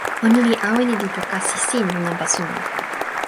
ona li awen e lipu kasi sin lon anpa suno.